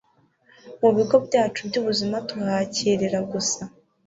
Mu bigo byacu byubuzima tuhakirira gusa